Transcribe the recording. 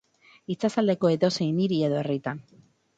Itsasaldeko edozein hiri edo herritan.